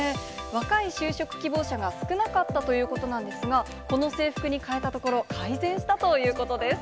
若い就職希望者が少なかったということなんですが、この制服に替えたところ、改善したということです。